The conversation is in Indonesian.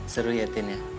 seru ya tini